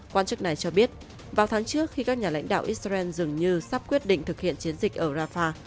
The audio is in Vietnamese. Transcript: quan chức này cho biết vào tháng trước khi các nhà lãnh đạo israel dường như sắp quyết định thực hiện chiến dịch ở rafah